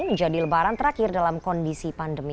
menjadi lebaran terakhir dalam kondisi pandemi